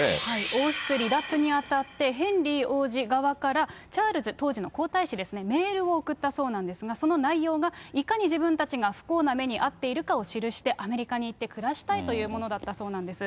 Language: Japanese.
王室離脱に当たってヘンリー王子側から、チャールズ、当時の皇太子ですね、メールを送ったそうなんですが、その内容がいかに自分たちが不幸な目に遭っているかを記して、アメリカに行って暮らしたいというものだったそうなんです。